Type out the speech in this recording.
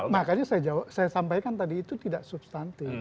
makanya saya sampaikan tadi itu tidak substantif